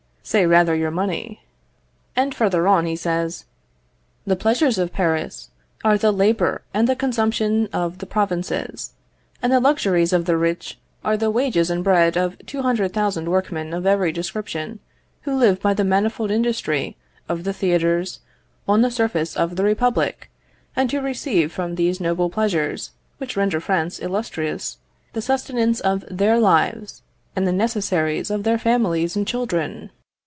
say rather your money. And further on he says: "The pleasures of Paris are the labour and the consumption of the provinces, and the luxuries of the rich are the wages and bread of 200,000 workmen of every description, who live by the manifold industry of the theatres on the surface of the republic, and who receive from these noble pleasures, which render France illustrious, the sustenance of their lives and the necessaries of their families and children.